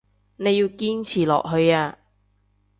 你要堅持落去啊